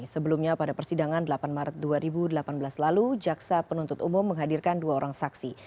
sebelumnya pada persidangan delapan maret dua ribu delapan belas lalu jaksa penuntut umum menghadirkan dua orang saksi